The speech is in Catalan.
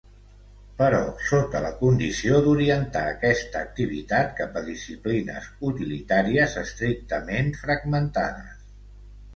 Però sota la condició d'orientar aquesta activitat cap a disciplines utilitàries estrictament fragmentades.